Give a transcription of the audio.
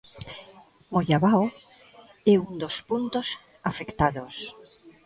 Mollabao é un dos puntos afectados.